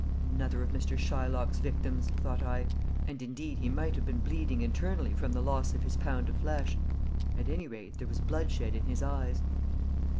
"Another of Mr. Shylock's victims," thought I; and indeed he might have been bleeding internally from the loss of his pound of flesh; at any rate there was bloodshed in his eyes.